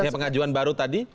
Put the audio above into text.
pengajuan baru tadi